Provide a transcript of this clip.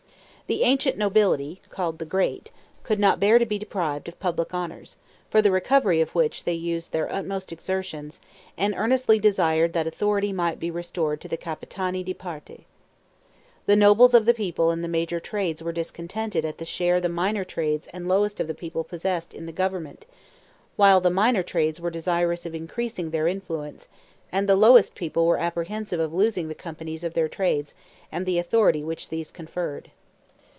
The ancient nobility, called the GREAT, could not bear to be deprived of public honors; for the recovery of which they used their utmost exertions, and earnestly desired that authority might be restored to the Capitani di Parte. The nobles of the people and the major trades were discontented at the share the minor trades and lowest of the people possessed in the government; while the minor trades were desirous of increasing their influence, and the lowest people were apprehensive of losing the companies of their trades and the authority which these conferred.